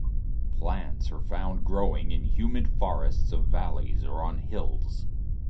Plants are found growing in humid forests of valleys or on hills.